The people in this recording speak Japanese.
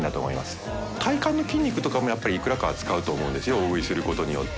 大食いすることによって。